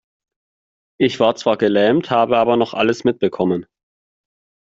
Ich war zwar gelähmt, habe aber noch alles mitbekommen.